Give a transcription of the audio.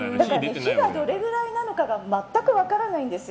火がどれぐらいなのかが全く分からないんですよ。